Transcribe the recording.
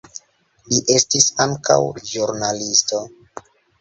Li estis ankaŭ ĵurnalisto.